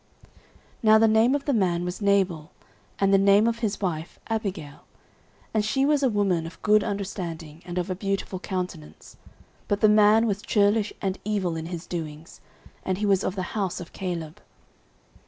09:025:003 Now the name of the man was Nabal; and the name of his wife Abigail: and she was a woman of good understanding, and of a beautiful countenance: but the man was churlish and evil in his doings; and he was of the house of Caleb.